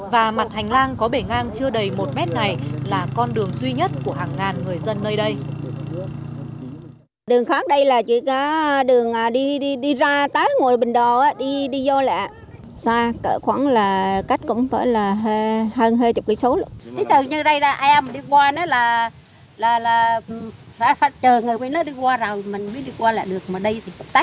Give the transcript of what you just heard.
và mặt hành lang có bể ngang chưa đầy một mét này là con đường duy nhất của hàng ngàn người dân nơi đây